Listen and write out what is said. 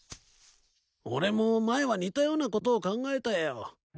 俺も前は似たようなことを考えたよ。